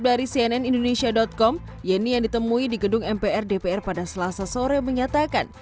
dari cnn indonesia com yeni yang ditemui di gedung mpr dpr pada selasa sore menyatakan